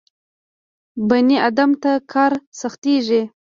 بني ادمانو ته کار سختېږي.